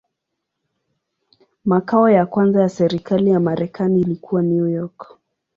Makao ya kwanza ya serikali ya Marekani ilikuwa New York.